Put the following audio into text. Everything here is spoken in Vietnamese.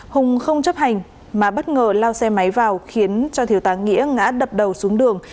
hùng không chấp hành mà bất ngờ lao xe máy vào khiến cho thiếu tá nghĩa ngã đập đầu xuống đường